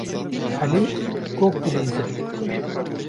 Elî gog dileyîze.